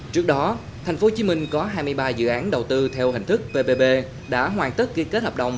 trước đó tp hcm có hai mươi ba dự án đầu tư theo hình thức ppp đã hoàn tất ghi kết hợp đồng